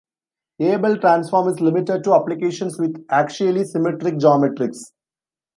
Abel transform is limited to applications with axially symmetric geometries.